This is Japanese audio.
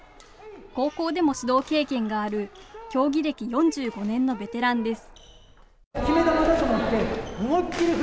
高校でも指導経験がある競技歴４５年のベテランです。